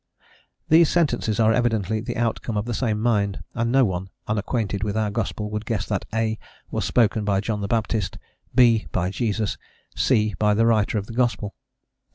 These sentences are evidently the outcome of the same mind, and no one, unacquainted with our gospel, would guess that (a) was spoken by John the Baptist, (b) by Jesus, (c) by the writer of the gospel.